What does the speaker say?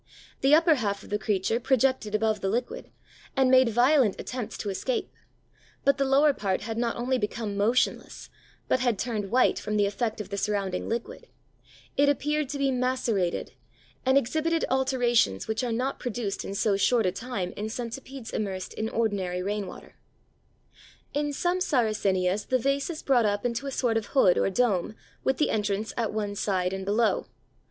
The upper half of the creature projected above the liquid, and made violent attempts to escape; but the lower part had not only become motionless, but had turned white from the effect of the surrounding liquid; it appeared to be macerated, and exhibited alterations which are not produced in so short a time in centipedes immersed in ordinary rainwater." Kerner, Natural History of Plants. Many details are taken from this work in the present chapter. In some Sarracenias the vase is brought up into a sort of hood or dome with the entrance at one side and below.